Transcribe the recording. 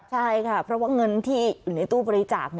ใช่ค่ะเพราะว่าเงินที่อยู่ในตู้บริจาค